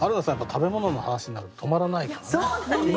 食べ物の話になると止まらないからね。